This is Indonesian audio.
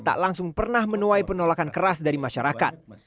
tak langsung pernah menuai penolakan keras dari masyarakat